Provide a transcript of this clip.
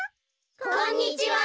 こんにちは！